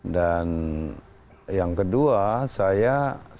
dan yang kedua saya sebagai